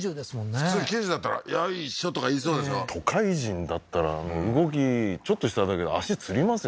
普通９０だったらよいしょとか言いそうでしょ都会人だったらあの動きちょっとしただけで足つりますよ